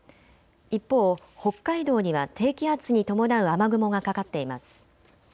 一方、北海道には低気圧に伴う雨雲がかかっています。